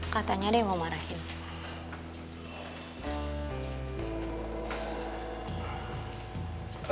katanya ada yang mau marahin